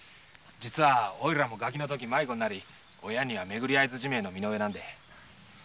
実はおいらもガキのとき迷子になり親には巡り会えずじまいの身の上なんで。